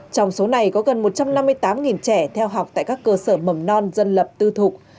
trong số này có gần một trăm năm mươi tám trẻ theo học tại các cơ sở mầm non dân lập tư thục